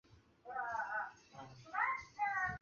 本表注释见中华人民共和国检察院列表。